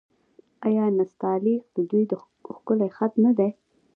آیا نستعلیق د دوی ښکلی خط نه دی؟